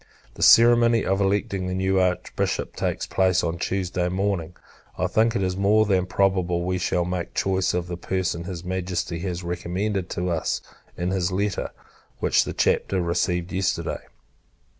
The ceremony of electing the new Archbishop takes place on Tuesday morning. I think it more than probable, we shall make choice of the person his Majesty has recommended to us, in his letter, which the Chapter received yesterday.